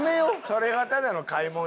それはただの買い物やん。